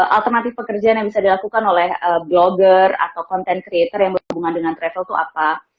alternatif pekerjaan yang bisa dilakukan oleh blogger atau content creator yang berhubungan dengan travel itu apa